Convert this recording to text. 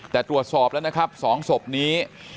แต่ตรวจสอบแล้วนะครับ๒ศพนี้